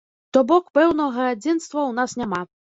То бок пэўнага адзінства ў нас няма.